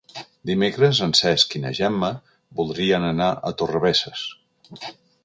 Dimecres en Cesc i na Gemma voldrien anar a Torrebesses.